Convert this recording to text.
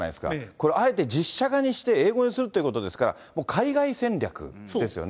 これ、あえて実写化にして英語にするということですから、もう海外戦略ですよね。